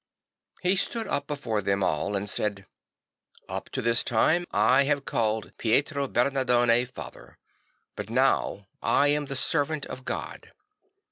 He stood up before them all and said, II Up to this time I have called Pietro Bernardone father, but now I am the servant of God.